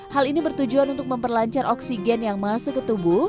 hal ini bertujuan untuk memperlancar oksigen yang masuk ke tubuh